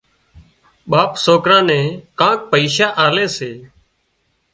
ٻاپ سوڪران نين ڪانڪ پئشا آلي سي